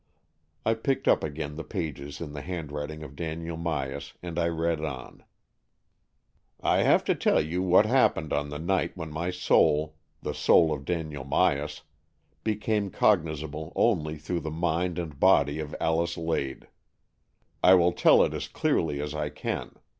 I picked up again the pages in the hand writing of Daniel Myas, and I read on —" I have to tell you what happened on the night when my soul, the soul of Daniel Myas, became cognizable only through the mind and body of Alice Lade. I will tell it as clearly as I can.